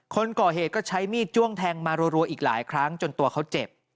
คนก่อเหตุก็ใช้มีดจ้วงแทงมารัวอีกหลายครั้งจนตัวเขาเจ็บ